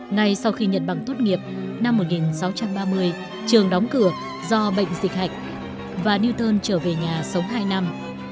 ngay sau khi nhận bằng tốt nghiệp năm một nghìn sáu trăm ba mươi trường đóng cửa do bệnh dịch hạch và newton trở về nhà sống hai năm